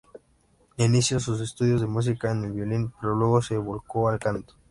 Inició sus estudios de música en el violín, pero luego se volcó al canto.